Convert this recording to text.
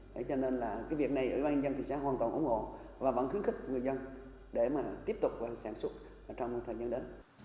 thế cho nên là cái việc này ủy ban dân thị xã hoàn toàn ủng hộ và vẫn khuyến khích người dân để mà tiếp tục sản xuất trong thời gian đến